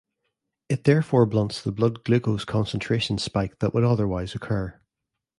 It therefore blunts the blood glucose concentration spike that would otherwise occur.